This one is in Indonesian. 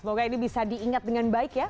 semoga ini bisa diingat dengan baik ya